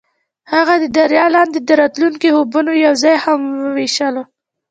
هغوی د دریا لاندې د راتلونکي خوبونه یوځای هم وویشل.